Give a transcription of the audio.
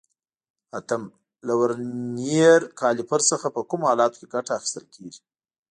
اتم: له ورنیر کالیپر څخه په کومو حالاتو کې ګټه اخیستل کېږي؟